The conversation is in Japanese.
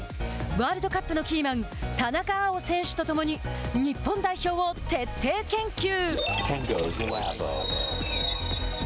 ワールドカップのキーマン田中碧選手と共に日本代表を徹底研究。